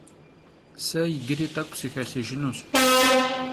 Se yicıri t'ek'u sıxelhıjjınuş.